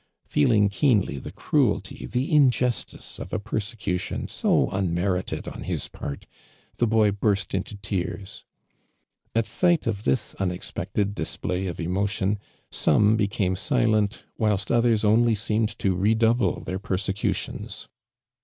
Feeling keenly the cruelty, the injustice of a jiersecution so unmerited on his part, the boy burst into tears. .\t sight of this unexpected disjday of emotion, some became silent, whilst others only seemed to redouble their persecutions.